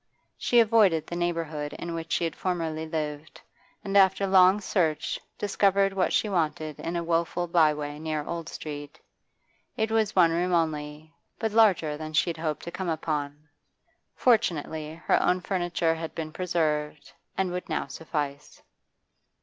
She avoided the neighbourhood in which she had formerly lived, and after long search discovered what she wanted in a woful byway near Old Street. It was one room only, but larger than she had hoped to come upon; fortunately her own furniture had been preserved, and would now suffice.